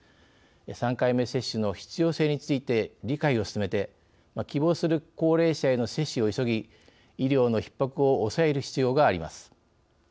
３回目接種の必要性について理解を進めて希望する高齢者への接種を急ぎ医療のひっ迫を抑える必要があります。